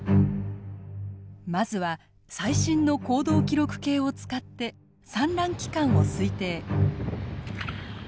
まずは最新の行動記録計を使って産卵期間を推定。